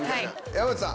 山内さん。